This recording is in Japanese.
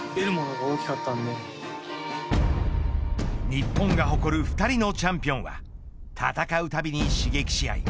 日本が誇る２人のチャンピオンは戦うたびに刺激し合い